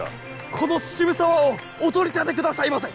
この渋沢をお取り立てくださいませ！